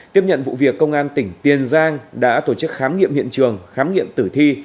tiếp nhận vụ việc công an tỉnh tiền giang đã tổ chức khám nghiệm hiện trường khám nghiệm tử thi